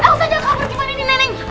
jangan kabur gimana ini nenek